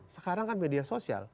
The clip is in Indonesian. sekarang kan media sosial